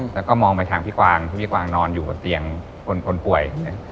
แล้วก็มองไปทางพี่กวางพี่กวางนอนอยู่บนเตียงคนป่วย